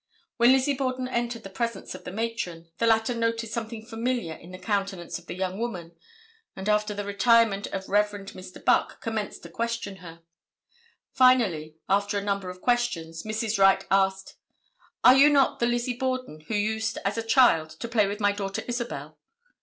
When Lizzie Borden entered the presence of the matron, the latter noticed something familiar in the countenance of the young woman, and after the retirement of Rev. Mr. Buck commenced to question her. Finally, after a number of questions, Mrs. Wright asked, "Are you not the Lizzie Borden who used as a child to play with my daughter Isabel?"